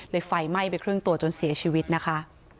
ไฟไหม้ไปครึ่งตัวจนเสียชีวิตนะคะ